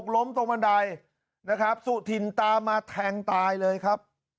๖ล้มตรงบันไดสุถินตามมาแทงตายเลยครับ